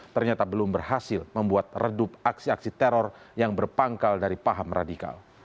ternyata belum berhasil membuat redup aksi aksi teror yang berpangkal dari paham radikal